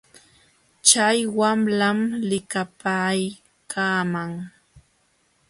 Chay wamlam likapaaykaaman.